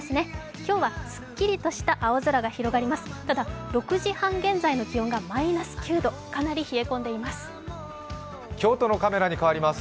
今日はすっきりとした青空が広がります。